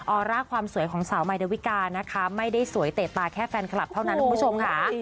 อร่าความสวยของสาวมายดาวิกานะคะไม่ได้สวยเตะตาแค่แฟนคลับเท่านั้นคุณผู้ชมค่ะ